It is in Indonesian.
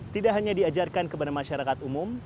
tidak hanya diajarkan kepada masyarakat umum